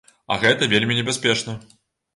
А гэта вельмі небяспечна.